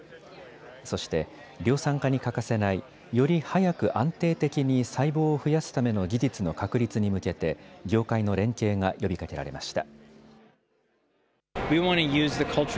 そして、量産化に欠かせないより早く安定的に細胞を増やすための技術の確立に向けて業界の連携が呼びかけられました。